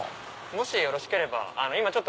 もしよろしければ。